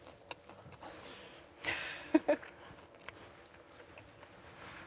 フフ。